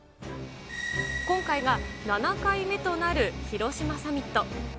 今回が７回目となる広島サミット。